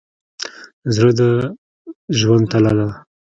زړه د ژوند تله ده.